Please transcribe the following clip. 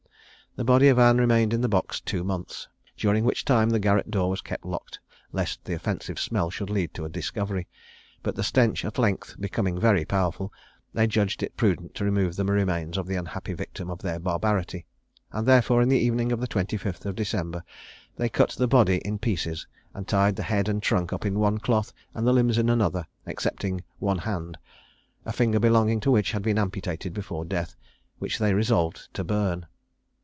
The body of Anne remained in the box two months, during which time the garret door was kept locked, lest the offensive smell should lead to a discovery; but the stench at length becoming very powerful, they judged it prudent to remove the remains of the unhappy victim of their barbarity; and, therefore, in the evening of the 25th of December, they cut the body in pieces, and tied the head and trunk up in one cloth, and the limbs in another, excepting one hand, a finger belonging to which had been amputated before death, which they resolved to burn.